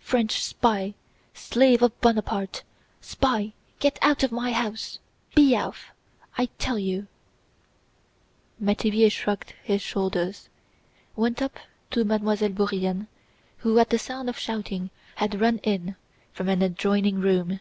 French spy, slave of Buonaparte, spy, get out of my house! Be off, I tell you..." and he slammed the door. Métivier, shrugging his shoulders, went up to Mademoiselle Bourienne who at the sound of shouting had run in from an adjoining room.